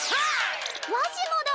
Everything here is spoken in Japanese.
わしもだ！